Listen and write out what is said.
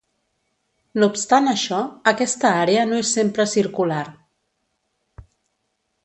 No obstant això, aquesta àrea no és sempre circular.